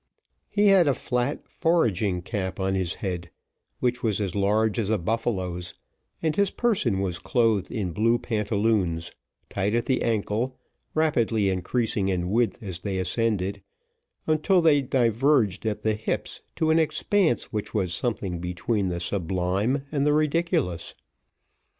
He had a flat foraging cap on his head, which was as large as a buffalo's, and his person was clothed in blue pantaloons, tight at the ankle, rapidly increasing in width as they ascended, until they diverged at the hips to an expanse which was something between the sublime and the ridiculous.